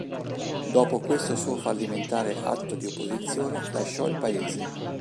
Dopo questo suo fallimentare atto di opposizione, lasciò il paese.